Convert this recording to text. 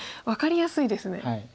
分かりやすいですね。